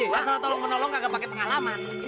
masalah tolong menolong agak pakai pengalaman